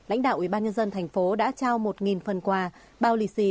lãnh đạo ủy ban nhân dân thành phố đã trao một phần quà bao lì xì